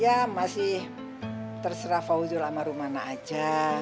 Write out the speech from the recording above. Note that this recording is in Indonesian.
ya masih terserah fauzul sama rumana aja